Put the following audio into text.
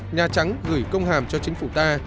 nhà trắng gửi công hàm cho chính phủ ta